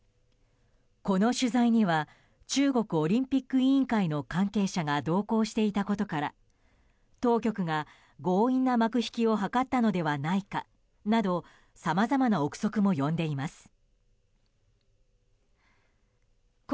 この取材には中国オリンピック委員会の関係者が同行していたことから当局が強引な幕引きを図ったのではないかなどさまざまな憶測も呼んでいます。